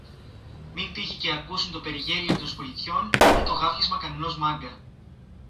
μην τύχει και ακούσουν το περιγέλιο των σπουργιτιών ή το γάβγισμα κανενός Μάγκα